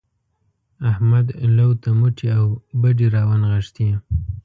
احمد لو ته مټې او بډې راونغښتې.